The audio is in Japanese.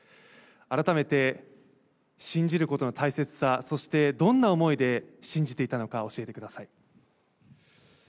改めて、信じることの大切さ、そして、どんな思いで信じていたのか、教えてください。